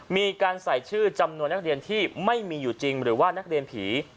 มีการใส่ชื่อจำนวนนักเรียนที่ไม่มีอยู่จริงหรือว่านักเรียนผี